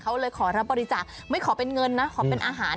เขาเลยขอรับบริจาคไม่ขอเป็นเงินนะขอเป็นอาหาร